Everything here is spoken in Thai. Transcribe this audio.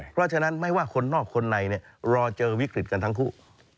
เพราะฉะนั้นไม่ว่าคนนอกคนในรอเจอวิกฤตกันทั้งคู่